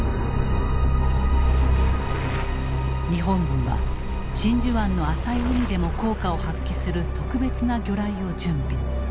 日本軍は真珠湾の浅い海でも効果を発揮する特別な魚雷を準備。